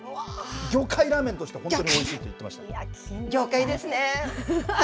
魚介ラーメンとしてすごいおいしいって言ってました。